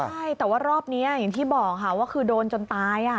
ใช่แต่ว่ารอบนี้อย่างที่บอกค่ะว่าคือโดนจนตาย